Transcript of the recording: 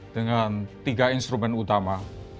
dengan tiga instrumen utama